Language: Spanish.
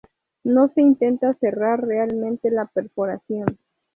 No se intenta cerrar realmente la perforación.